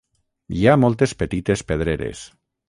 Hi ha moltes petites pedreres.